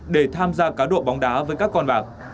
để tham gia cá độ bóng đá với các con bạc